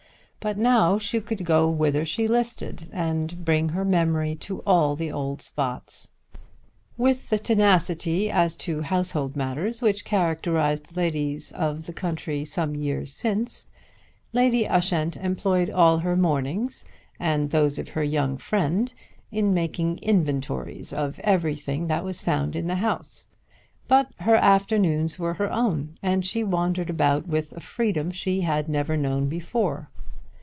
But now she could go whither she listed and bring her memory to all the old spots. With the tenacity as to household matters which characterised the ladies of the country some years since, Lady Ushant employed all her mornings and those of her young friend in making inventories of everything that was found in the house; but her afternoons were her own, and she wandered about with a freedom she had never known before.